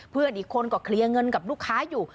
เพื่อนอีกคนก็เคลียร์เงินกับลูกค้าอยู่